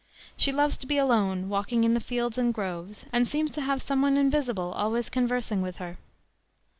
She loves to be alone, walking in the fields and groves, and seems to have some one invisible always conversing with her."